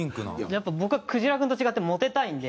やっぱ僕はくじら君と違ってモテたいんで。